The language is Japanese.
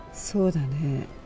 そうだね。